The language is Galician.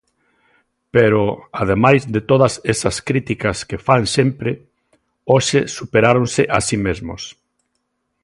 Pero, ademais de todas esas críticas que fan sempre, hoxe superáronse a si mesmos.